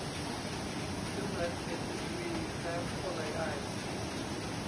คือเหมือนเห็นทีวีแล้วก็เลยไอ